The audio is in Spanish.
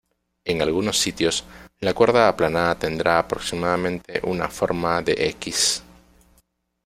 En algunos sitios, la cuerda aplanada tendrá aproximadamente una forma de "X".